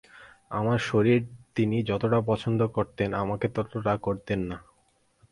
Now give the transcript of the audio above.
আমার শরীর তিনি যতটা পছন্দ করতেন আমাকে ততটা করতেন না।